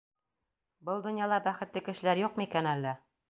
Был донъяла бәхетле кешеләр юҡмы икән әллә?